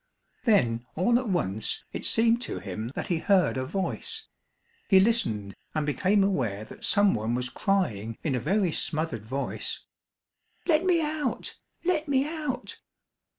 Then all at once it seemed to him that he heard a voice. He listened and became aware that someone was crying in a very smothered voice, "Let me out, let me out!"